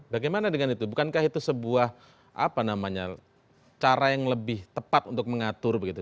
bagaimana dengan itu bukankah itu sebuah cara yang lebih tepat untuk mengatur begitu